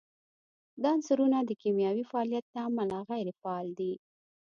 دا عنصرونه د کیمیاوي فعالیت له امله غیر فعال دي.